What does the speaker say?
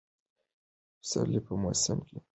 د پسرلي په موسم کې ټوپ وهل خوند لري.